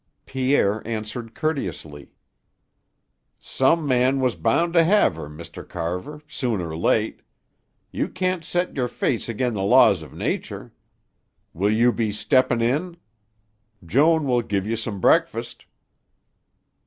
Pierre answered courteously. "Some man was bound to hev her, Mr. Carver, soon or late. You can't set your face ag'in' the laws of natur'. Will you be steppin' in? Joan will give you some breakfast."